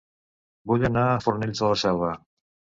Vull anar a Fornells de la Selva